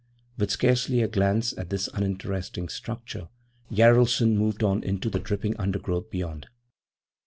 With scarcely a glance at this uninteresting structure Jaralson moved on into the dripping undergrowth beyond.